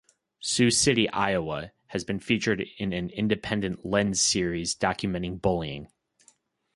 Sioux City, Iowa has been featured in an Independent Lens series documenting bullying.